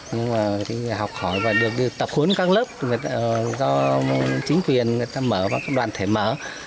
nhưng mà học hỏi và được tập huấn các lớp do chính quyền mở và các đoàn thể mở